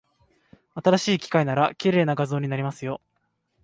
新しい機械なら、綺麗な画像になりますよ。